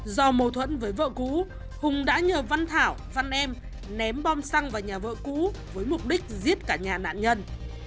do mâu thuẫn với vợ cũ hùng đã nhờ văn thảo văn em ném bom xăng vào nhà vợ cũ với mục đích giết cả nhà nạn nhân